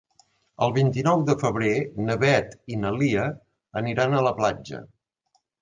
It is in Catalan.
El vint-i-nou de febrer na Beth i na Lia aniran a la platja.